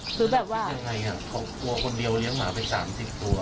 เออเป็นอะไรครับเขากลัวคนเดียวเลี้ยงหมาไป๓๐ตัว